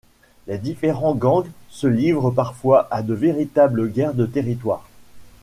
Les différents gangs se livrent parfois à de véritables guerres de territoire.